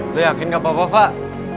lo yakin nggak apa apa fak